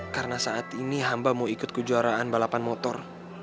karena saat ini hamba mau ikut kejuaraan balapan motor